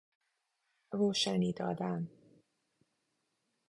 روشنی دادن